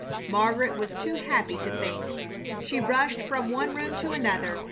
Margaret was too happy to think. She rushed from one room to another.